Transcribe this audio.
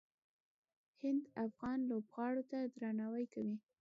هند افغان لوبغاړو ته درناوی کوي.